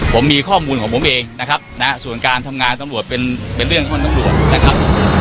ผมมีข้อมูลของผมเองนะครับนะส่วนการทำงานตำรวจเป็นเรื่องของตำรวจนะครับ